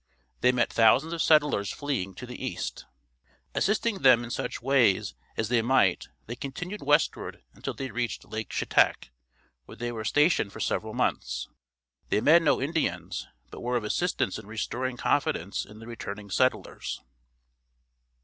They met thousands of settlers fleeing to the east. Assisting them in such ways as they might they continued westward until they reached Lake Shetek where they were stationed for several months. They met no Indians but were of assistance in restoring confidence in the returning settlers.